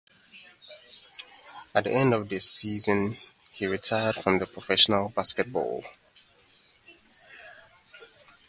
At the end of the season, he retired from the professional basketball.